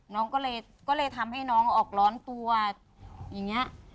น้องก็เลยทำให้น้องออกร้อนตัวอย่างนี้